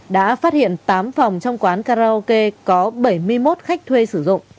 đã phát hiện tám phòng trong quán karaoke có bảy mươi một khách thuê sử dụng